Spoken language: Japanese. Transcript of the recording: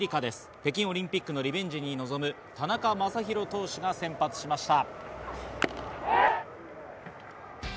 北京オリンピックのリベンジに臨む田中将大投手が先発しました。